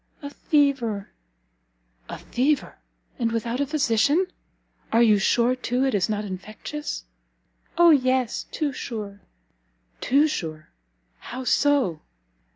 "A fever." "A fever, and without a physician! Are you sure, too, it is not infectious?" "O yes, too sure!" "Too sure? how so?"